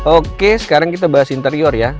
oke sekarang kita bahas interior ya